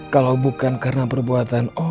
kalau bukan karena perbuatan